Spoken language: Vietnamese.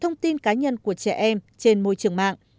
thông tin cá nhân của trẻ em trên môi trường mạng